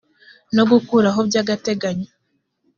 no gukuraho by agateganyo